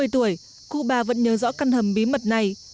ba mươi tuổi cụ bà vẫn nhớ rõ căn hầm bí mật này